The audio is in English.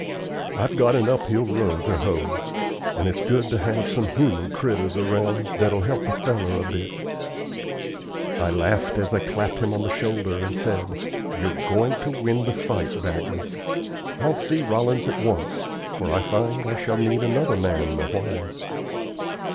"I've got an uphill row to hoe, and it's good ter have some human critters around that'll help a feller a bit." I laughed as I clapped him on the shoulder, and said: "You're going to win the fight, Bagley. I'll see Rollins at once, for I find I shall need another man awhile."